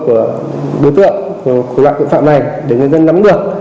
của đối tượng của loại tội phạm này để người dân nắm được